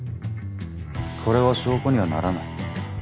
これは証拠にはならない。